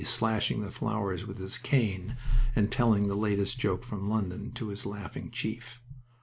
slashing the flowers with his cane and telling the latest joke from London to his laughing chief.